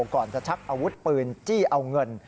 ก่อนจะชักอาวุธปืนจี้เอาเงิน